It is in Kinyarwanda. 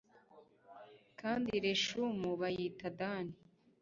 kandi leshemu bayita dani